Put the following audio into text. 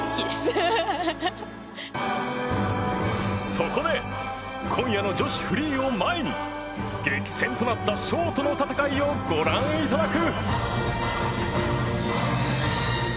そこで今夜の女子フリーを前に激戦となったショートの戦いをご覧いただく！